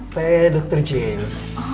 saya dokter james